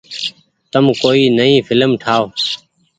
تم ڪوئي نئي ڦلم ٺآئو ۔